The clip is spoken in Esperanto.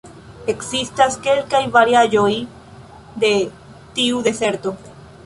Ekzistas kelkaj variaĵoj de tiu deserto.